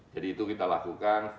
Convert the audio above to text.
jadi itu kita lakukan